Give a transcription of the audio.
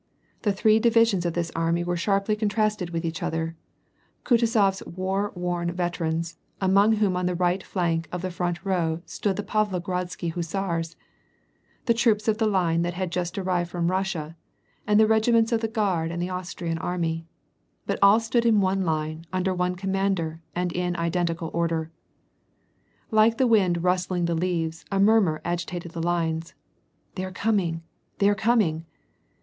The three diivsions of this army were sharply con trasted with each other; Kutuzof's war worn veterans — among whom on the right flank in the front row stood the Pavlogradsky hussars — the troops of the Line that had just arrived from Eussia^ and the regiments of the Guard and the Austrian army. But all stood in one line under one com mander, and in identical order. Like the wind rustling the leaves, a murmur agitated the lines: "They are coming! They are coming!"